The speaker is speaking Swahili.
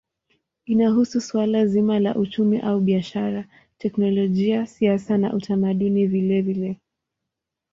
Inahusu suala zima la uchumi au biashara, teknolojia, siasa na utamaduni vilevile.